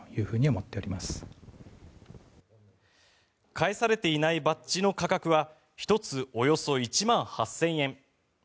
返されていないバッジの価格は１つおよそ１万８０００円。